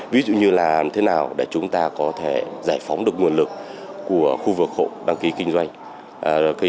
ví dụ như là thế nào để chúng ta có thể giải phóng được nguồn lực của khu vực hộ đăng ký kinh doanh